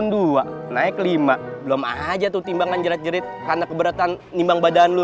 naik dua naik lima belom aja tuh timbangan jerit jerit karena keberatan nimbang badan lu